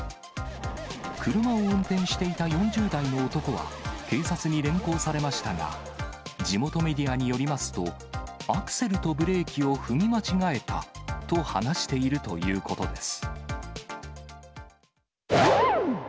車を運転していた４０代の男は、警察に連行されましたが、地元メディアによりますと、アクセルとブレーキを踏み間違えたと話しているということです。